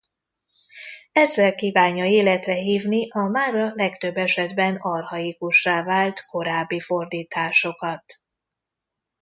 Ezzel kívánja életre hívni a mára legtöbb esetben archaikussá vált korábbi fordításokat.